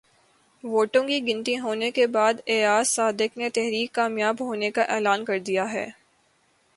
ووٹوں کی گنتی ہونے کے بعد ایاز صادق نے تحریک کامیاب ہونے کا اعلان کر دیا ہے